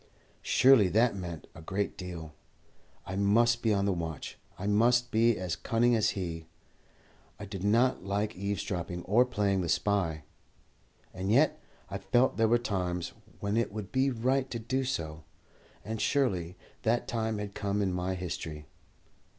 Surely that meant a great deal! I must be on the watch. I must be as cunning as he. I did not like eavesdropping or playing the spy, and yet I felt there were times when it would be right to do so, and surely that time had come in my history.